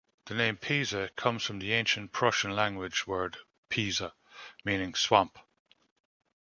The name Pisa comes from the ancient Prussian language word "pisa", meaning "swamp.